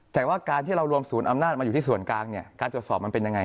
แต่ว่าการที่เรารวมศูนย์อำนาจมาอยู่ที่ส่วนกลางเนี่ยการตรวจสอบมันเป็นยังไง